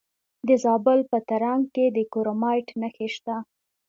د زابل په ترنک کې د کرومایټ نښې شته.